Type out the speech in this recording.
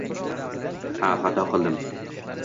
Ha, xato qildim.